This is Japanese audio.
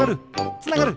つながる！